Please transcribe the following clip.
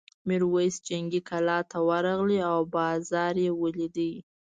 میرويس جنګي کلا ته ورغی او بازار یې ولید.